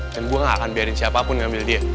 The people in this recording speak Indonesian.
dan gue gak akan biarin siapapun ngambil dia